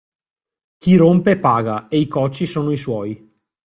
Chi rompe paga e i cocci sono i suoi.